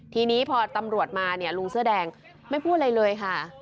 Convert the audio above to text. ทีนี้พอตำรวจมาเนี่ยลุงเสื้อแดงไม่พูดอะไรเลยค่ะ